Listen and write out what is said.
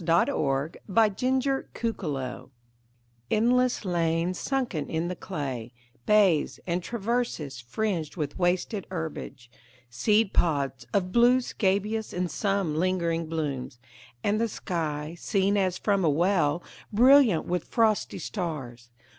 Frederic Manning THE TRENCHES ENDLESS lanes sunken in the clay, Bays, and traverses, fringed with wasted herbage, Seed pods of blue scabious, and some lingering blooms ; And the sky, seen as from a well, Brilliant with frosty stars.